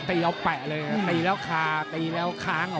ตีเอาแปะเลยครับตีแล้วคาตีแล้วค้างออกมา